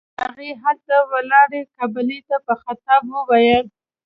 هغې هلته ولاړې قابلې ته په خطاب وويل.